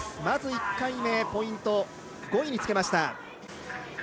まず１回目のポイント、５位につけました。